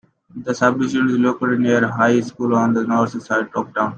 The subdivision is located near the high school on the northeast side of town.